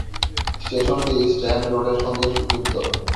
স্টেশনটি স্ট্যান্ড রোডের সঙ্গে যুক্ত।